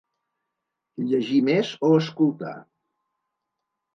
Llegir més o escoltar….